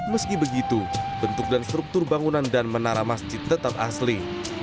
meski begitu bentuk dan struktur bangunan dan menara masjid tetap asli